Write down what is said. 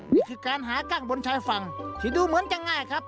นี่คือการหากั้งบนชายฝั่งที่ดูเหมือนจะง่ายครับ